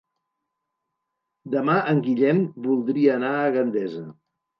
Demà en Guillem voldria anar a Gandesa.